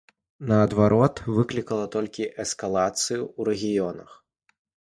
Наадварот, выклікала толькі эскалацыю ў рэгіёнах.